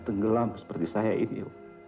tenggelam seperti saya ini